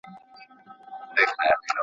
د زمان پر پستو رېګو یې ښکاریږي قدمونه ,